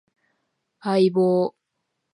相棒